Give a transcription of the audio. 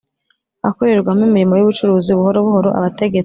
akorerwamo imirimo y ubucuruzi Buhoro buhoro abategetsi